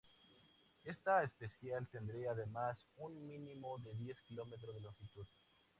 Esta especial tendría además un mínimo de diez kilómetros de longitud.